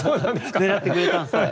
ねらってくれたんですね。